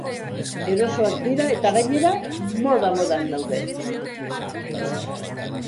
Erosoak dira eta gainera moda-modan daude.